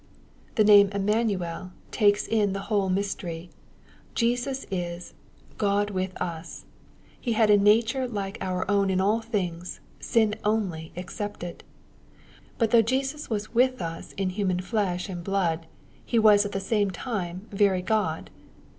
The name Emmanuel takes in the whole mystery. Jesus is ^' God witE us/' He had a nature like our own in all things, sin only excepted. But though Jesus was '^with us" in human flesh and bloody He was at the same time very God.